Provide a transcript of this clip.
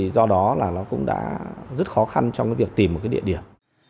do đó nó cũng đã rất khó khăn trong việc tìm một địa điểm